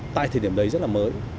tại thời điểm đấy rất là mới